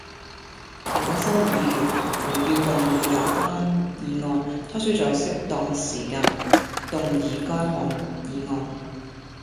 涂謹申議員如要動議有關議案，他須在適當時間動議該項議案